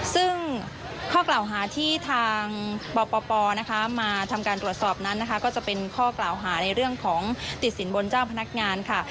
ซึ่งข้อกล่าวหาที่ทางปปมาทำการตรวจสอบนั้นนะคะก็จะเป็นข้อกล่าวหาในเรื่องของติดสินบนเจ้าพนักงานค่ะ